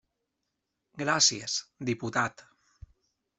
Gràcies, diputat.